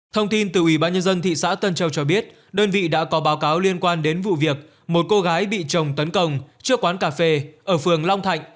thông tin từ ủy ban nhân dân thị xã tân châu cho biết đơn vị đã có báo cáo liên quan đến vụ việc một cô gái bị chồng tấn công trước quán cà phê ở phường long thạnh